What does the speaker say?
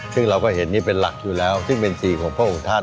ซึ่งเราก็เห็นนี่เป็นหลักอยู่แล้วซึ่งเป็นสีของพระองค์ท่าน